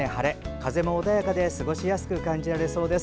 風も穏やかで過ごしやすく感じられそうです。